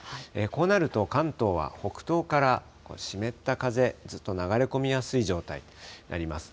こうなると、関東は北東から湿った風、ずっと流れ込みやすい状態になります。